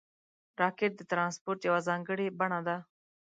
راکټ د ترانسپورټ یوه ځانګړې بڼه ده